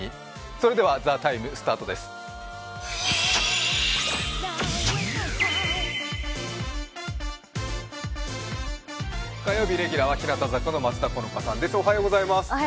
それでは「ＴＨＥＴＩＭＥ，」スタートです火曜日レギュラーは日向坂の松田好花さんです。